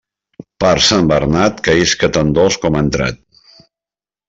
Pare sant Bernat, que isca tan dolç com ha entrat.